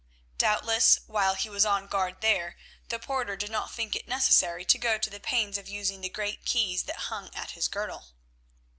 Doubtless, while he was on guard there, the porter did not think it necessary to go to the pains of using the great key that hung at his girdle.